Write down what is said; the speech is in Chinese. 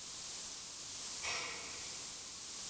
后改为滨州知州。